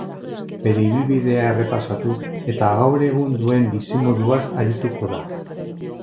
Bere ibilbidea errepasatu eta gaur egun duen bizimoduaz arituko da.